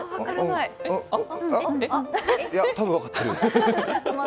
いや、たぶん分かってる。